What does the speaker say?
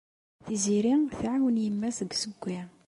Tiziri tɛawen yemma-s deg ussewwi.